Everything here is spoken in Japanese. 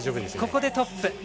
ここでトップ。